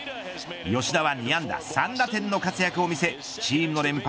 吉田は２安打３打点の活躍を見せチームの連敗